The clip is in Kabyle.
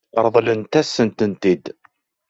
Ṛeḍlent-asent-ten-id?